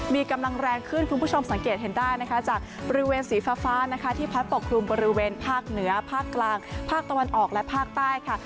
มีกำลังแรงขึ้นคุณผู้ชมสังเกตเห็นได้นะคะจากบริเวณสีฟ้านะคะที่พัดปกครุมบริเวณภาคเหนือภาคกลางภาคตะวันออกและภาคใต้ค่ะ